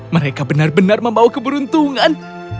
mereka benar benar membawa keberuntungan